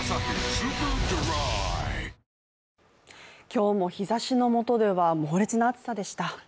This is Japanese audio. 今日も日ざしのもとでは猛烈な暑さでした。